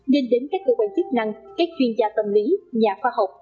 nên đến các cơ quan chức năng các chuyên gia tâm lý nhà khoa học